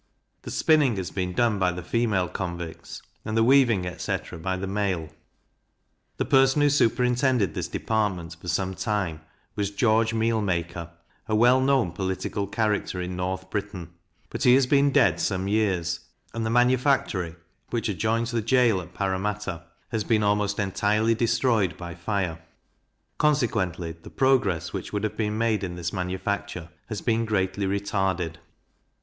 The spinning has been done by the female convicts, and the weaving, etc. by the male. The person who superintended this department, for some time, was George Mealmaker, a well known political character in North Britain; but he has been dead some years, and the manufactory, which adjoins the goal at Parramatta, has been almost entirely destroyed by fire; consequently, the progress which would have been made in this manufacture has been greatly retarded.